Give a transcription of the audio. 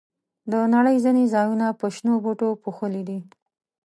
د نړۍ ځینې ځایونه په شنو بوټو پوښلي دي.